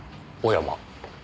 おやまあ。